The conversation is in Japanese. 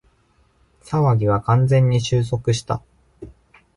騒ぎは完全に収束した